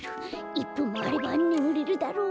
１ぷんもあればねむれるだろう。